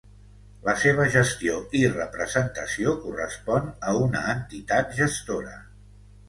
La seva gestió i representació correspon a una entitat gestora.